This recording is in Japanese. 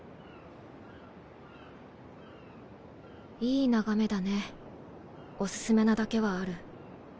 いい眺めだねお薦めなだけはある。